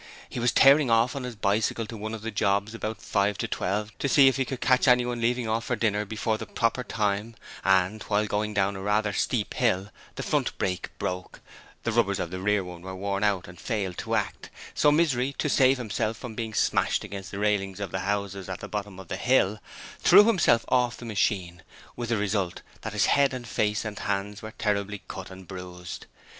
He was tearing off on his bicycle to one of the jobs about five minutes to twelve to see if he could catch anyone leaving off for dinner before the proper time, and while going down a rather steep hill the front brake broke the rubbers of the rear one were worn out and failed to act so Misery to save himself from being smashed against the railings of the houses at the bottom of the hill, threw himself off the machine, with the result that his head and face and hands were terribly cut and bruised.